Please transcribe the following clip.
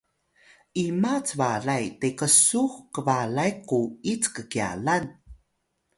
ima cbalay teqsuw kbalay quyit kkyalan?